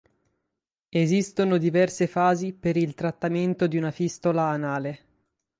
Esistono diverse fasi per il trattamento di una fistola anale.